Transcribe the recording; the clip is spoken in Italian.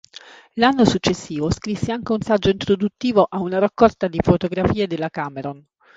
L'anno successivo scrisse anche un saggio introduttivo a una raccolta di fotografie della Cameron.